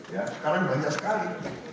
ya sekarang banyak sekali